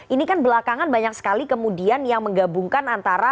ini kan belakangan banyak sekali kemudian yang menggabungkan antara